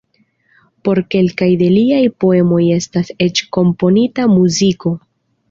Por kelkaj de liaj poemoj estas eĉ komponita muziko.